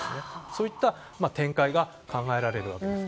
そういった展開が考えられるわけです。